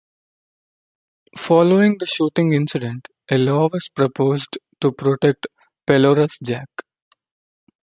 Following the shooting incident, a law was proposed to protect Pelorus Jack.